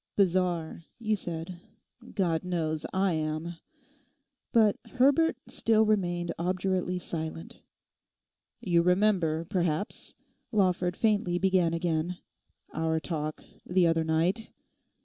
'"Bizarre," you said; God knows I am.' But Herbert still remained obdurately silent. 'You remember, perhaps,' Lawford faintly began again, 'our talk the other night?